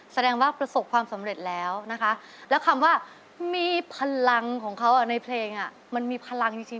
แสดงว่าประสบความสำเร็จแล้วนะคะแล้วคำว่ามีพลังของเขาในเพลงมันมีพลังจริง